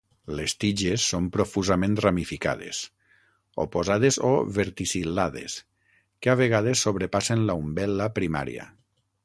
Les tiges són profusament ramificades, oposades o verticil·lades, que a vegades sobrepassen la umbel·la primària.